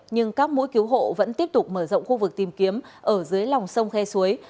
nhưng các mũi cứu hộ vẫn tiếp tục mở rộng khu vực tìm kiếm ở dưới lòng sông khe suối